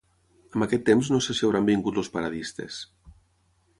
Amb aquest temps no sé si hauran vingut els paradistes